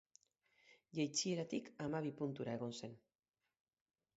Jeitsieratik hamabi puntura egon zen.